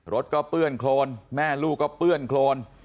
รถก็เปื้อนโครนแม่ลูกก็เปื้อนโครน